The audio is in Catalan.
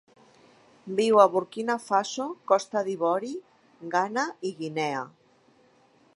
Viu a Burkina Faso, Costa d'Ivori, Ghana i Guinea.